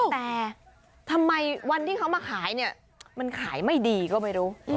แต่ทำไมวันที่เขามาขายเนี่ยมันขายไม่ดีก็ไม่รู้